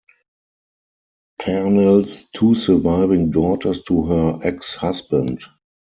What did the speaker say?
Parnell's two surviving daughters to her ex-husband.